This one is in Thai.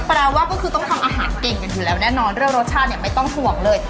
แปลว่าก็คือต้องทำอาหารเก่งกันอยู่แล้วแน่นอนเรื่องรสชาติเนี่ยไม่ต้องห่วงเลย